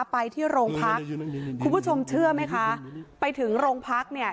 ไปที่โรงพักคุณผู้ชมเชื่อไหมคะไปถึงโรงพักเนี่ย